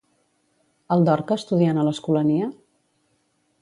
El Dorca estudiant a l'Escolania?